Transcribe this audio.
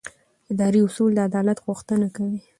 اداري اصول د عدالت غوښتنه کوي.